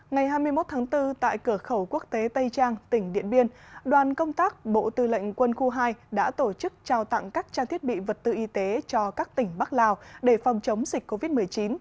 ngày hai mươi một tháng bốn tại cửa khẩu quốc tế tây trang tỉnh điện biên đoàn công tác bộ tư lệnh quân khu hai đã tổ chức trao tặng các trang thiết bị vật tư y tế cho các tỉnh bắc lào để phòng chống dịch covid một mươi chín